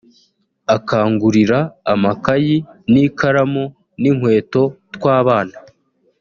akangurira amakayi n’ikaramu n’inkweto twabana